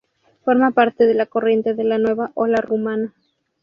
Forma parte de la corriente de la nueva ola rumana.